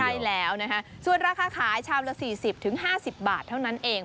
ใช่แล้วนะคะส่วนราคาขายชามละ๔๐๕๐บาทเท่านั้นเอง